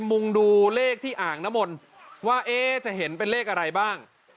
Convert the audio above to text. หลังน้ำมนว่าเอ๊จะเห็นเป็นเลขอะไรบ้าง